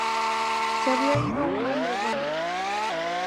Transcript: Se había ido un hombre bueno.